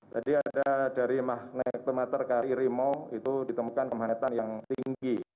tadi ada dari makhnektomater kri rimo itu ditemukan kemahanetan yang tinggi